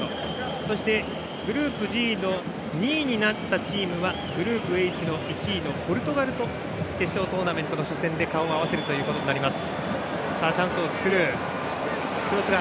そして、グループＧの２位になったチームはグループＨ１位のポルトガルと決勝トーナメントの初戦で顔を合わせることになります。